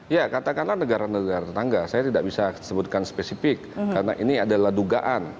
ya katakanlah negara negara tetangga saya tidak bisa sebutkan spesifik karena ini adalah dugaan